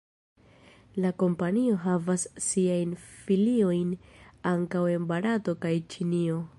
La kompanio havas siajn filiojn ankaŭ en Barato kaj Ĉinio.